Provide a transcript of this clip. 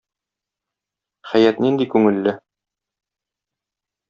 Хәят нинди күңелле!...